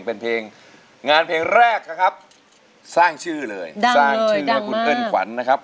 เป็นเพลงงานเพลงแรกนะครับสร้างชื่อเลยสร้างชื่อให้คุณเอิ้นขวัญนะครับ